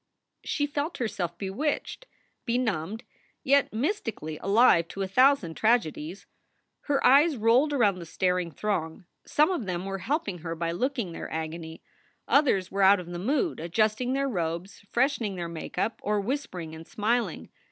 She felt herself bewitched, benumbed, yet mystically alive to a thousand tragedies. Her eyes rolled around the staring throng. Some of them were helping her by looking their agony; others were out of the mood, adjusting their robes, freshening their make up, or whispering and smiling.